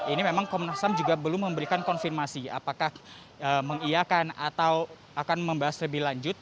ini memang komnas ham juga belum memberikan konfirmasi apakah mengiakan atau akan membahas lebih lanjut